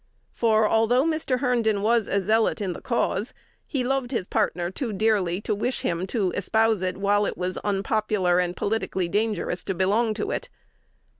For, although Mr. Herndon was a zealot in the cause, he loved his partner too dearly to wish him to espouse it while it was unpopular and politically dangerous to belong to it.